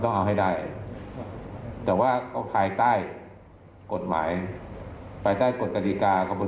ฟังท่านเพิ่มค่ะบอกว่าถ้าผู้ต้องหาหรือว่าคนก่อเหตุฟังอยู่